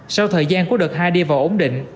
sau thời gian của đợt hai đi vào ổn định